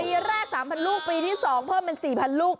ปีแรก๓๐๐ลูกปีที่๒เพิ่มเป็น๔๐๐ลูก